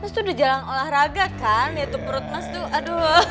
mas tuh udah jalan olahraga kan ya tuh perut mas tuh aduh